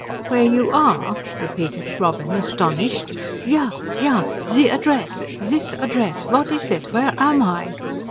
"Where you are?" repeated Robin, astonished. "Ja, Ja. The address. This address. What is it? Where am I?"